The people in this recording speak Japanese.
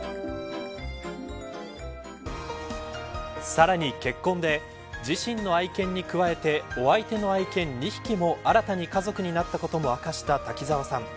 さらに、結婚で自身の愛犬に加えてお相手の愛犬２匹も新たに家族になったことも明かした滝沢さん